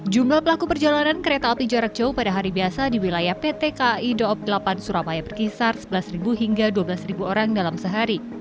jumlah pelaku perjalanan kereta api jarak jauh pada hari biasa di wilayah pt kai daob delapan surabaya berkisar sebelas hingga dua belas orang dalam sehari